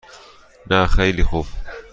نه خیلی خوب.